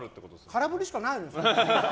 空振りしかないもん。